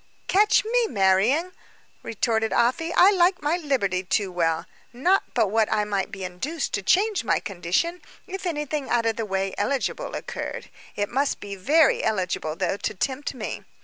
"Catch me marrying," retorted Afy; "I like my liberty too well. Not but what I might be induced to change my condition, if anything out of the way eligible occurred; it must be very eligible, though, to tempt me.